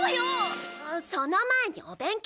その前にお勉強です！